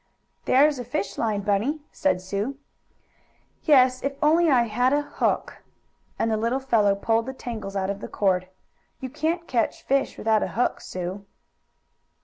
"There's a fish line, Bunny," said Sue. "Yes, if I only had a hook," and the little fellow pulled the tangles out of the cord, "You can't catch fish without a hook, Sue."